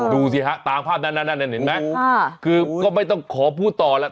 ดูสิฮะตามภาพนั้นเห็นไหมคือก็ไม่ต้องขอพูดต่อแล้ว